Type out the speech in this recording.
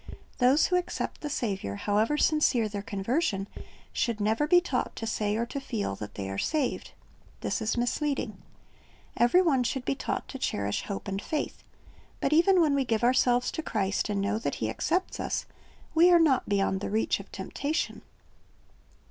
Those who accept the Saviour, however sincere their conversion, should never be taught to say or to feel that they are saved. This is misleading. Every one should be taught to cherish hope and faith; but even when we give ourselves to Christ and know that He accepts us, we are not beyond the reach of temptation.